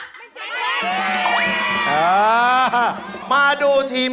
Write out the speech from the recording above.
สวัสดีค่ะ